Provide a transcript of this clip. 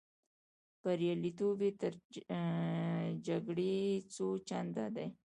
بریالیتوب یې تر جګړې څو چنده دی.